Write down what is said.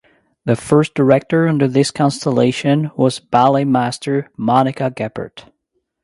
The first director under this constellation was ballet master Monika Geppert.